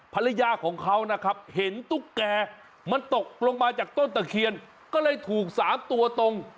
ภรรยาของเขานะครับเห็นตุ๊กแก่มันตกลงมาจากต้นตะเคียนก็เลยถูก๓ตัวตรง